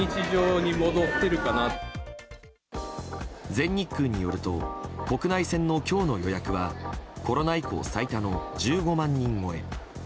全日空によると国内線の今日の予約はコロナ以降最多の１５万人超え。